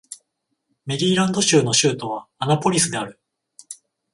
メリーランド州の州都はアナポリスである